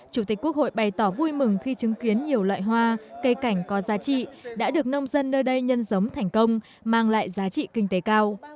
chủ tịch quốc hội bày tỏ vui mừng khi chứng kiến nhiều loại hoa cây cảnh có giá trị đã được nông dân nơi đây nhân giống thành công mang lại giá trị kinh tế cao